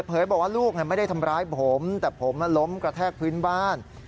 บอกว่าลูกไม่ได้ทำร้ายผมแต่ผมล้มกระแทกพื้นบ้าน